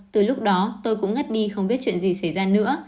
từ lúc đó tôi cũng ngất đi không biết chuyện gì xảy ra nữa